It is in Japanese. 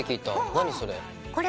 何それ？